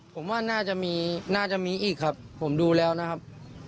ผมว่าน่าจะมีน่าจะมีอีกครับผมดูแล้วนะครับ